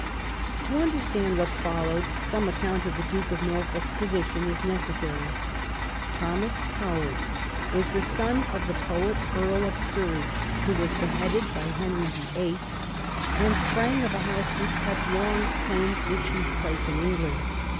To understand what followe^T^nie account of the Duke of Norfolk's position is necessary. Thomas Howard was the son of the poet Earl of Surrey, who was beheaded by Henry VHI., and sprang of a house which had long claimed the chief place in England.